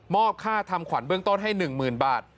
มอบค่าทำขวรเบื้องโต๊ดให้หนึ่งมื่นบาท